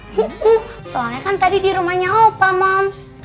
uh uh soalnya kan tadi di rumahnya opa moms